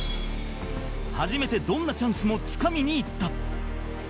初めてどんなチャンスもつかみにいった